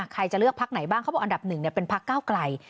ใครจะเลือกพักไหนบ้างเขาบอกอันดับหนึ่งเป็นพักเก้าไกล